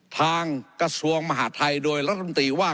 กระทรวงมหาดไทยโดยรัฐมนตรีว่า